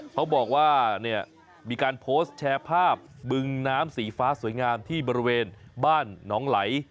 เขาบอกว่าเนี่ยมีการโพสต์แชร์ภาพบึงน้ำสีฟ้าสวยงามที่บริเวณบ้านหนองไหล